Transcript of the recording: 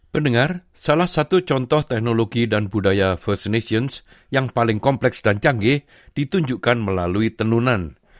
pendengar salah satu contoh teknologi dan budaya firston nations yang paling kompleks dan canggih ditunjukkan melalui tenunan